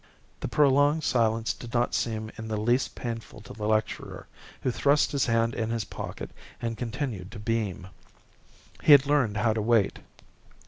The prolonged silence did not seem in the least painful to the lecturer, who thrust his hand in his pocket and continued to beam. He had learned how to wait.